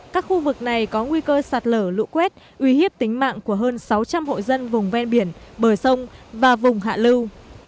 các khu vực này có nguy cơ sạt lở lũ quét uy hiếp tính mạng của hơn sáu trăm linh hộ dân vùng ven biển bờ sông và vùng hạ lưu